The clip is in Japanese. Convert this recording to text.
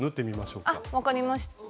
あっ分かりました。